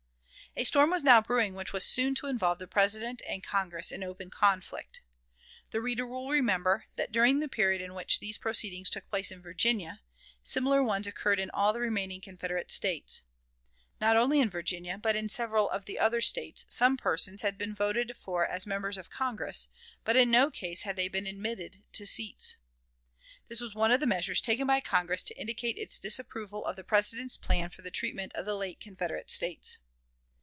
A storm was now brewing which was soon to involve the President and Congress in open conflict. The reader will remember that, during the period in which these proceedings took place in Virginia, similar ones occurred in all the remaining Confederate States. Not only in Virginia, but in several of the other States, some persons had been voted for as members of Congress, but in no case had they been admitted to seats. This was one of the measures taken by Congress to indicate its disapproval of the President's plan for the treatment of the late Confederate States.